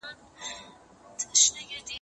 دوی چي ول مېلمانه به ولاړ وي